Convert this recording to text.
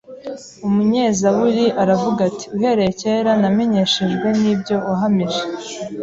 Umunyezaburi aravuga ati: “Uhereye kera namenyeshejwe n’ibyo wahamije,